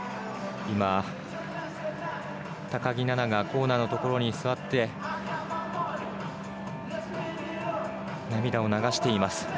高木菜那がコーナーのところに座って涙を流しています。